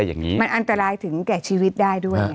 อย่างนี้มันอันตรายถึงแก่ชีวิตได้ด้วย